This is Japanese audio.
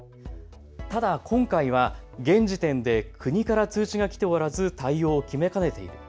ただ今回は現時点で国から通知が来ておらず対応を決めかねている。